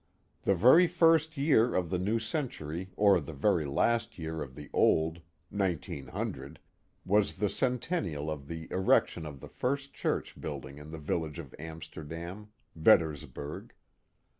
The very first year of the new century or the very last year of the old (1900) was the centennial of the erection of the first church building in the village of Amsterdam (Ved dersburg).